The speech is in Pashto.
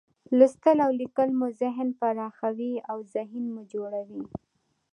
لوستل او لیکل مو ذهن پراخوي، اوذهین مو جوړوي.